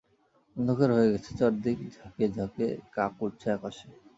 অন্ধকার হয়ে গেছে চারদিক ঝাঁকে-ঝাঁকে কাক উড়ছে আকাশে।